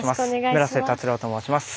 村瀬達郎と申します。